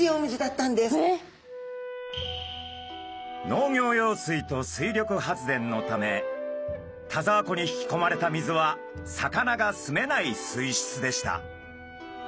農業用水と水力発電のため田沢湖に引きこまれた水は魚がすめない水質でした。